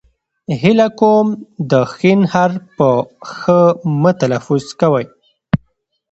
هیله کوم د ښ حرف په خ مه تلفظ کوئ.!